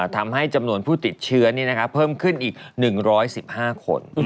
ทำให้จำนวนผู้ติดเชื้อเพิ่มขึ้นอีก๑๑๕คน